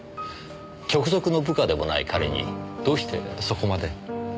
直属の部下でもない彼にどうしてそこまで？